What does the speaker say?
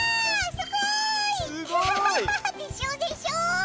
すごい！でしょ？でしょ？